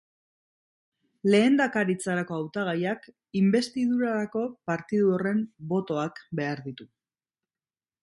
Lehendakaritzarako hautagaiak inbestidurarako partidu horren botoak behar ditu.